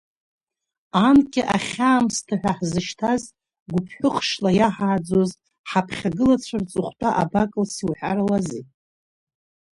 Анкьа, ахьы-аамсҭа хәа ҳзышьҭаз, гуԥҳәыхшла иаҳааӡоз ҳаԥхьагылацәа рҵыхутәа абакылси уҳәарауазеи!